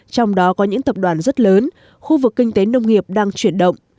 trong đó có những tập đoàn rất lớn khu vực kinh tế nông nghiệp đang chuyển động